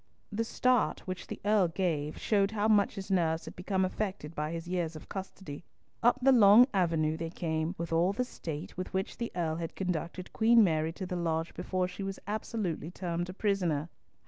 The start which the Earl gave showed how much his nerves had become affected by his years of custody. Up the long avenue they came, with all the state with which the Earl had conducted Queen Mary to the lodge before she was absolutely termed a prisoner.